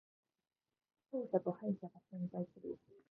勝者と敗者が存在する